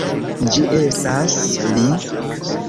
Ĝi estas li!